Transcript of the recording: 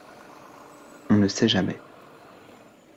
On ne sait jamais.